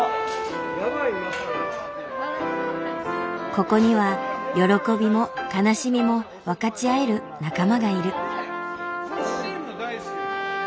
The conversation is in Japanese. ここには喜びも悲しみも分かち合える仲間がいる。